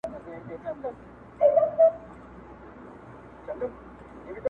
پاچهي به هيچا نه كړل په كلونو!.